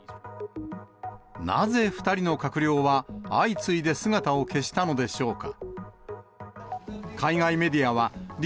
なぜ２人の閣僚は相次いで姿を消したのでしょうか。